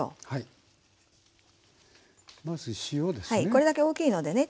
これだけ大きいのでね